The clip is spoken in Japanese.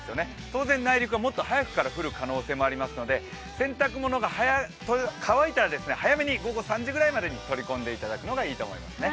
当然、内陸はもっと早くから降る可能性がありますので、洗濯物が乾いたら早めに午後３時ぐらいまでに取り込んでいただくのがいいと思いますね。